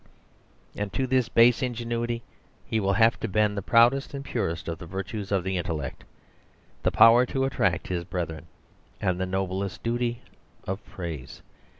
And to this base ingenuity he will have to bend the proudest and purest of the virtues of the intellect, the power to attract his brethren, and the noble duty of praise.